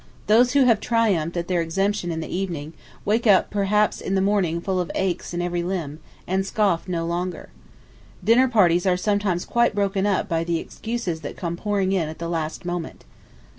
Those who have triumphed at their exemption in the evening, wake up perhaps in the morning full of aches in every limb, and scoff no longer. ... Dinner parties are sometimes quite broken up by the excuses that come pouring in at the last moment.